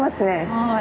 はい。